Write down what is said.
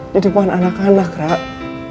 di depan anak anak raff